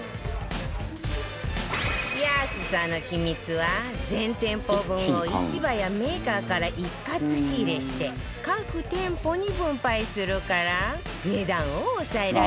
安さの秘密は全店舗分を市場やメーカーから一括仕入れして各店舗に分配するから値段を抑えられるんだって